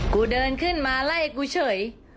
กูเดินขึ้นมาไล่กูเฉย